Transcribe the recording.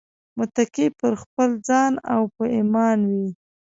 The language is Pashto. متکي که پر خپل ځان او په ايمان وي